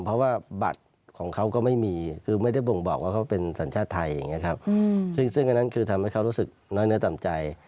เพราะว่าบัตรเขาก็ไม่มีคือไม่ได้บ่งบอกว่าเขาเป็นสัญชาติไทยซึ่งจริงฯคือทำให้เข้ารู้สึกน้อยเนื้อต่ำใจ